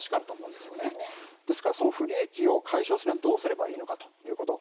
ですからその不利益を解消するにはどうしたらいいのかということ